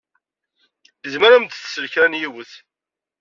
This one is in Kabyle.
Izmer ad m-d-tsel kra n yiwet.